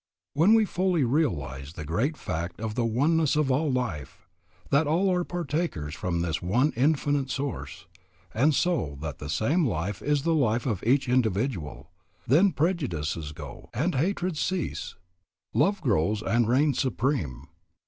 When we fully realize the great fact of the oneness of all life, that all are partakers from this one Infinite Source, and so that the same life is the life in each individual, then prejudices go and hatreds cease. Love grows and reigns supreme.